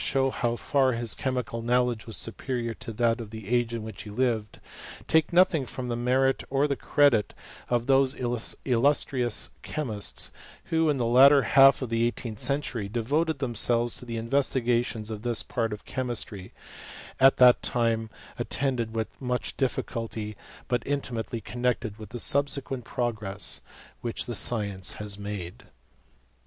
show how far his chemical knowledge was superior to that of the age in which he lived, take nothing from the merit or the credit of those illustrious che mists who, in the latter half of the eighteenth century, devoted themselves to the investigation of this part of chemistry, at that time attended with much diffi culty, but intimately connected with the subsequent progress which the science has made.